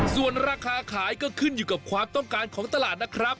ส่วนราคาขายก็ขึ้นอยู่กับความต้องการของตลาดนะครับ